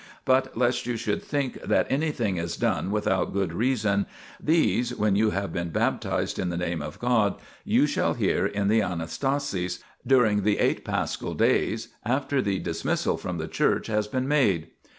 But, lest you should think that anything is done without good reason, these, when you have been baptised in the Name of God, you shall hear in the Anastasis, during the eight Paschal days, after the dismissal from the church has been made.